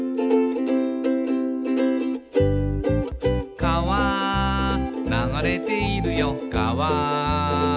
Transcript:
「かわ流れているよかわ」